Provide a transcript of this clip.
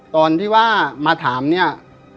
ตอนที่ว่ามาถามเนี่ย